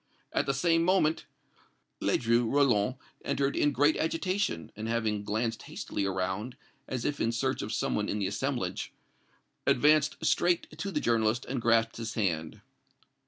At the same moment, Ledru Rollin entered in great agitation, and, having glanced hastily around, as if in search of some one in the assemblage, advanced straight to the journalist and grasped his hand.